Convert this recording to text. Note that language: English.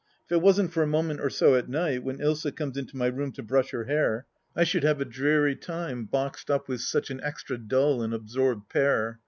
If it wasn't for a moment or so at night, when Ilsa comes into my room to brush her hair, I should have a dreary time, boxed up with such an extra dull and absorbed pair.